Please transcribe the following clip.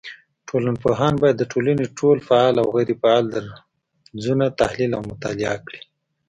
ټولنپوهان بايد د ټولني ټول فعال او غيري فعاله درځونه تحليل او مطالعه کړي